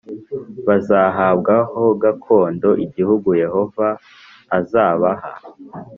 bazahabwa ho gakondo, igihugu Yehova azabaha.)